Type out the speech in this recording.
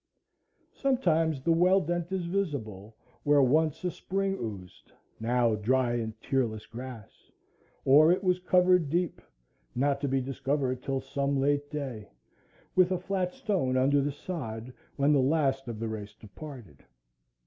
Sometimes the well dent is visible, where once a spring oozed; now dry and tearless grass; or it was covered deep,—not to be discovered till some late day,—with a flat stone under the sod, when the last of the race departed.